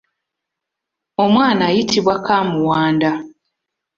Omwana ayitibwa kaamuwanda.